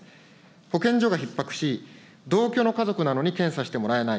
保健所がひっ迫し、同居の家族なのに検査してもらえない。